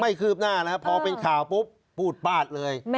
คืบหน้านะครับพอเป็นข่าวปุ๊บปูดปาดเลย